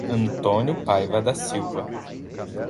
Antônio Paiva da Silva